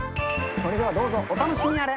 それではどうぞ、お楽しみあれ。